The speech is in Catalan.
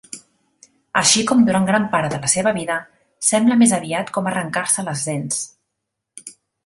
Així com durant gran part de la seva vida, sembla més aviat com arrencar-se les dents.